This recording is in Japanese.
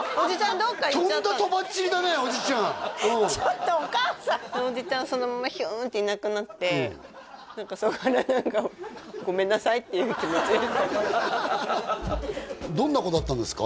どっか行っちゃったのとんだとばっちりだねおじちゃんうんちょっとお母さんおじちゃんそのままヒューンっていなくなってそれが何かごめんなさいっていう気持ちどんな子だったんですか？